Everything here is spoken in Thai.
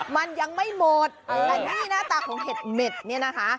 มันยังไม่หมดแต่นี่หน้าตาของเห็ดเหม็ดเนี่ยนะคะ